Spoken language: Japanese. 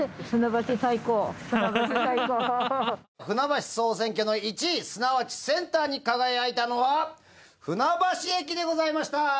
船橋総選挙の１位すなわちセンターに輝いたのは船橋駅でございました。